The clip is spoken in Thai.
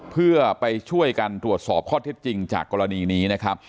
เพื่อไปช่วยกันตรวจสอบข้อเท็จจริงจากกรณีนี้นะครับ